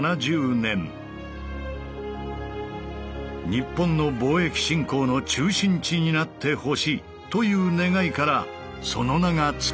日本の貿易振興の中心地になってほしいという願いからその名が付けられた。